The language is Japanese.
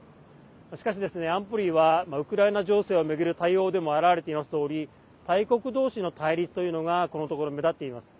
しかし、安保理はウクライナ情勢を巡る対応でも表れていますとおり大国同士の対立というのがこのところ目立っています。